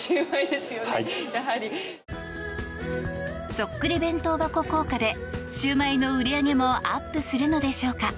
そっくり弁当箱効果でシウマイの売り上げもアップするのでしょうか？